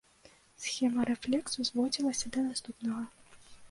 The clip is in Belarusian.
Схема рэфлексу зводзілася да наступнага.